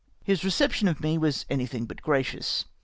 His reception of me was anything but gracious.